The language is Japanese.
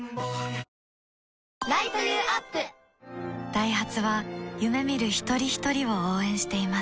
ダイハツは夢見る一人ひとりを応援しています